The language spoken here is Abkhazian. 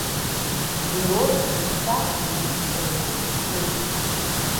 Мирод иԥсадгьыл ихьчаразы дцеит.